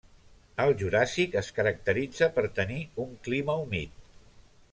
El Juràssic es caracteritza per tenir un clima humit.